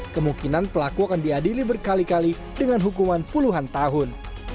kemungkinan pelaku akan diadili berkali kali dengan hukuman puluhan tahun